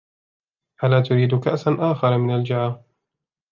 ألا تريد كأسا آخر من الجعة ؟